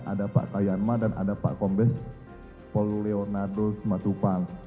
ada pak kayanma dan ada pak kombes pol leonardo sematupang